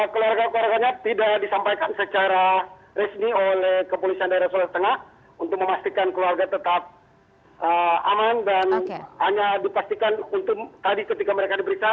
keluarga keluarganya tidak disampaikan secara resmi oleh kepolisian daerah sulawesi tengah untuk memastikan keluarga tetap aman dan hanya dipastikan untuk tadi ketika mereka diperiksa